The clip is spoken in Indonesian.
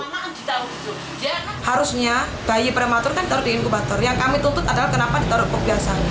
harusnya bayi prematur kan ditaruh di inkubator yang kami tuntut adalah kenapa ditaruh kebiasaan